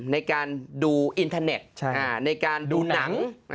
ในการดูอินเทอร์เน็ตในการดูหนัง